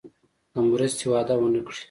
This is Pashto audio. د مرستې وعده ونه کړي.